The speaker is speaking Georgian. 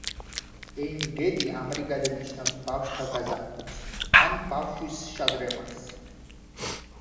ეინ გედი ამრიგად ნიშნავს „ბავშვთა გაზაფხულს“ ან „ბავშვის შადრევანს“.